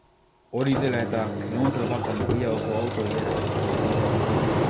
Hori dela eta, kilometro bat baino gehiagoko auto-ilarak sortu dira.